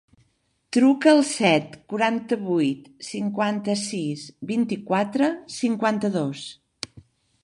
Truca al set, quaranta-vuit, cinquanta-sis, vint-i-quatre, cinquanta-dos.